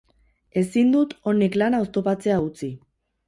Ezin dut honek lana oztopatzea utzi.